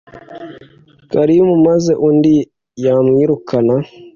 kalimu maze undi yamwirukana